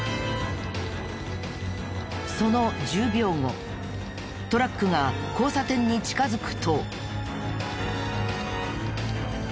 その１０秒後トラックが交差点に近づくと。